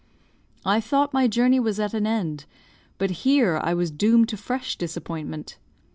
I thought my journey was at an end; but here I was doomed to fresh disappointment.